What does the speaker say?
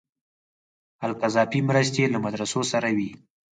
القذافي مرستې له مدرسو سره وې.